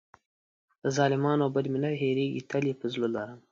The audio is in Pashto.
د ظالمانو بد مې نه هېرېږي، تل یې په زړه لرم.